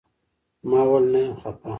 ما وويل نه يم خپه.